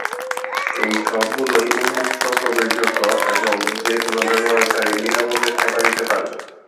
এই সবগুলোই উম্মুক্ত প্রবেশযোগ্য এবং যে কোন ব্যবহারকারী বিনামূল্যে সেবা নিতে পারবে।